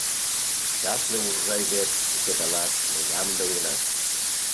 Чапле урожай верч кучедалаш ме ямде улына!